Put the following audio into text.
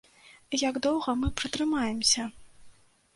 Як доўга мы пратрымаемся?